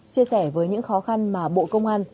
chia sẻ với những khó khăn mà bộ công an